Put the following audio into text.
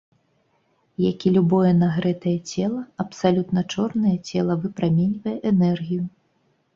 Як і любое нагрэтае цела, абсалютна чорнае цела выпраменьвае энергію.